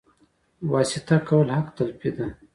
واسطه کول حق تلفي ده